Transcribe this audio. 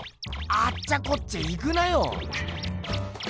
あっちゃこっちゃ行くなよ。